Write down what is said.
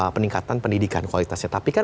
peningkatan pendidikan kualitasnya tapi kan